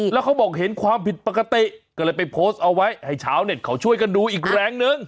แล้วเขาบอกเห็นความผิดปกติก็เลยไปโพสต์เอาไว้ให้ชาวเน็ตเขาช่วยกันดูอีกแรงนึง